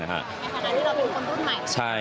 ในฐานะที่เราเป็นคนรุ่นใหม่